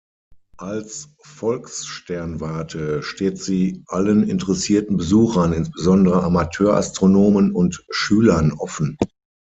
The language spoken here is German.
Als Volkssternwarte steht sie allen interessierten Besuchern, insbesondere Amateurastronomen und Schülern, offen.